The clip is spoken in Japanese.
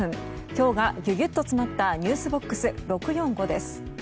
今日がギュギュッと詰まったｎｅｗｓＢＯＸ６４５です。